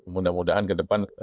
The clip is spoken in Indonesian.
mudah mudahan ke depan